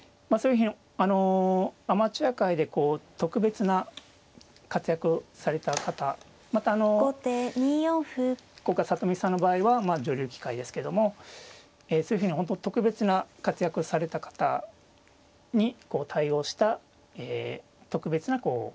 あのアマチュア界でこう特別な活躍された方また今回里見さんの場合は女流棋界ですけどもそういうふうに本当特別な活躍をされた方に対応した特別な編入試験なんですね。